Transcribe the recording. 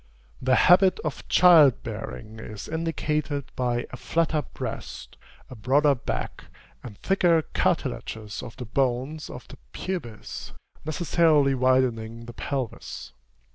The habit of child bearing is indicated by a flatter breast, a broader back, and thicker cartilages of the bones of the pubis, necessarily widening the pelvis.